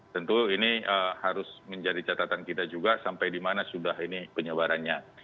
tentu ini harus menjadi catatan kita juga sampai di mana sudah ini penyebarannya